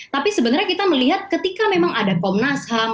tapi sebenarnya kita melihat ketika memang ada komnas ham